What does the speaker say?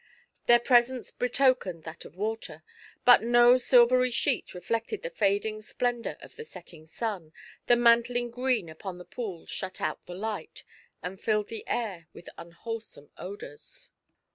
Their presence betokened that of water ; but no silvery sheet reflected the fading splendour of the setting sun, th6 mantling green upon the pools shut out the light, and filled the air with unwholesome odours.